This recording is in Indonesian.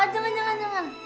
jangan jangan jangan